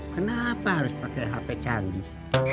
kenapa harus pakai hp canggih